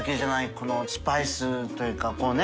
海スパイスというかこうね。